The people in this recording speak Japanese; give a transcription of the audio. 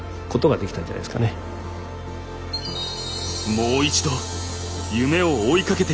「もう一度夢を追いかけてみよう」。